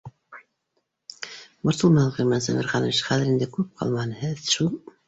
— Борсолмағыҙ, Ғилман Сәмерханович, хәҙер инде күп ҡалманы, һеҙ шул